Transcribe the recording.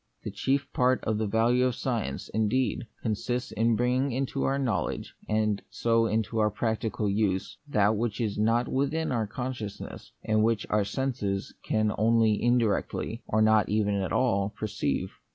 A chief part of the value of science, indeed, consists in bringing into our knowledge, and so into our practical use, that which is not within our consciousness, and which our senses can only indirectly, or even not at all, perceive.